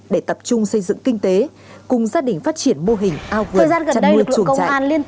để tập trung xây dựng kinh tế cùng gia đình phát triển mô hình ao vườn chăn nuôi chuồng chạy